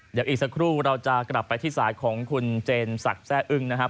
เดี๋ยวอีกสักครู่เราจะกลับไปที่สายของคุณเจนศักดิ์แซ่อึ้งนะครับ